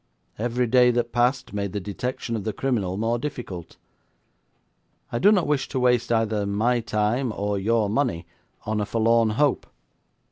Every day that passed made the detection of the criminal more difficult. I do not wish to waste either my time or your money on a forlorn hope.